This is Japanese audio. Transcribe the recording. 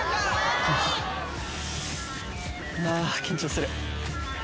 あ緊張する。